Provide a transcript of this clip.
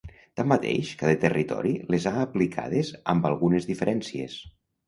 Tanmateix, cada territori les ha aplicades amb algunes diferències.